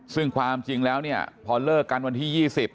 ซึ่งความจริงแล้วเนี่ยพอเลิกกันวันที่๒๐